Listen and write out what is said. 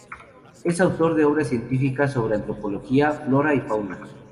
Es autor de obras científicas sobre antropología, flora y fauna.